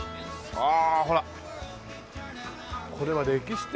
ああ！